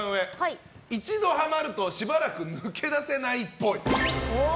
一度ハマるとしばらく抜け出せないっぽい。